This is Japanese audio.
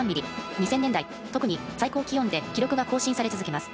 ２０００年代特に最高気温で記録が更新され続けます。